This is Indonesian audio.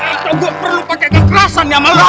atau gue perlu pakai kekerasan ya malam